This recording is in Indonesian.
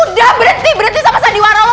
udah berhenti berhenti sama sandiwara